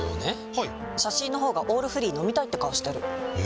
はい写真の方が「オールフリー」飲みたいって顔してるえ？